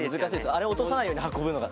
あれ落とさないように運ぶのが。